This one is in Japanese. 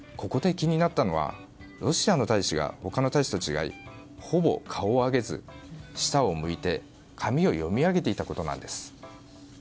ここで気になったのはロシアの大使が他の大使と違いほぼ顔を上げず、下を向いて紙を読み上げていたことなんです。